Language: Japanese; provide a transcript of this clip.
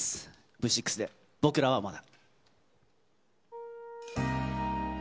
Ｖ６で、僕らはまだ。